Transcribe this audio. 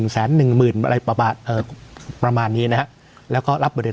๑แสน๑หมื่นอะไรประมาณนี้นะแล้วก็รับบริเติบ